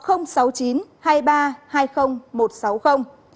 sáu mươi chín hai mươi ba hai mươi một trăm sáu mươi